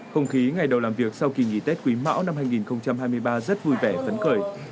không khí ngày đầu làm việc sau kỳ nghỉ tết quý mão năm hai nghìn hai mươi ba rất vui vẻ phấn khởi